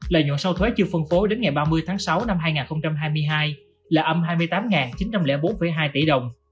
lợi nhuận sau thuế chưa phân phối đến ngày ba mươi tháng sáu năm hai nghìn hai mươi hai là âm hai mươi tám chín trăm linh bốn hai tỷ đồng